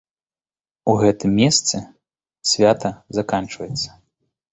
У гэтым месцы свята заканчваецца.